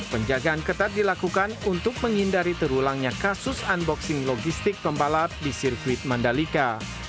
penjagaan ketat dilakukan untuk menghindari terulangnya kasus unboxing logistik pembalap di sirkuit mandalika